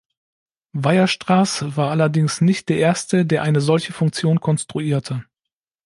Weierstraß war allerdings nicht der erste, der eine solche Funktion konstruierte.